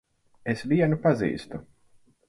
Es vienu pazīstu.